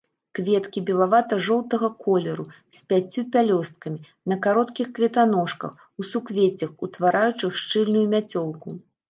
Кветкі белавата-жоўтага колеру, з пяццю пялёсткамі, на кароткіх кветаножках, у суквеццях, утвараючых шчыльную мяцёлку.